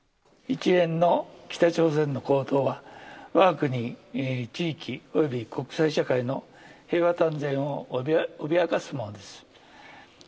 一連の北朝鮮の行動は、わが国地域および国際社会の平和と安全を脅かすものです。